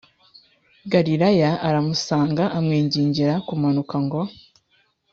Galilaya aramusanga amwingingira kumanuka ngo